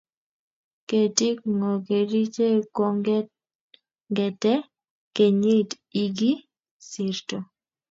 Ketik go gerichek kongete kenyit ikisirto